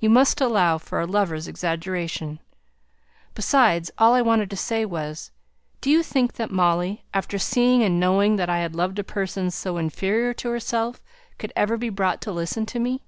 You must allow for a lover's exaggeration. Besides, all I wanted to say was, Do you think that Molly, after seeing and knowing that I had loved a person so inferior to herself, could ever be brought to listen to me?"